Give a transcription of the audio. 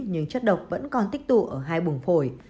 nhưng chất độc vẫn còn tích tụ ở hai bùng phổi